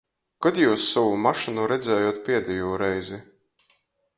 Kod jius sovu mašynu redzējot pādejū reizi?